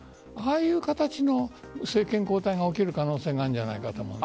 ああいう形の政権交代が起きる可能性があるんじゃないかと思う。